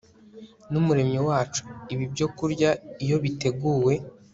nUmuremyi wacu Ibi byokurya iyo biteguwe